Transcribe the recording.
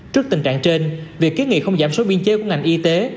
trước tình trạng trên việc ký nghị không giảm số biên chế của ngành y tế